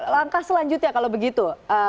langkah selanjutnya kalau begitu